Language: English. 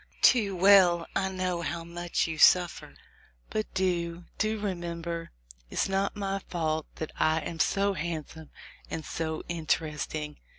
Too well I know how much you suiter; but do, do remember, it is not my fault that I am so handsome and so interesting.'